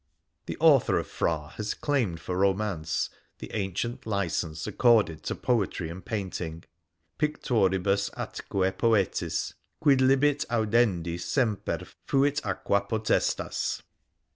The author of ' Phra ' has claimed, for Romance, the ancient license accorded to Poetry and to Painting — Pictoribus atque poetis Quidlibet audendi semper fuit oequa potestas.